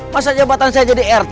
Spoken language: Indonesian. masa jabatan saya jadi rt